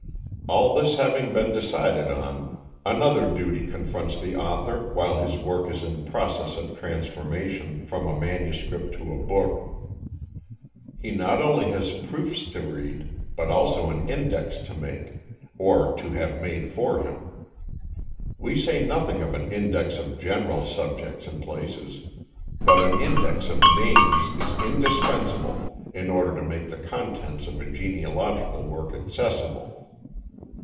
All this having been decided on, another duty confronts the author while his work is in process of transformation from a manuscript to a book. He not only has proofs to read, but also an index to make, or to have made for him. We say nothing of an index of general subjects and places; but an index of names is indispensable in order to make the contents of a genealogical work accessible.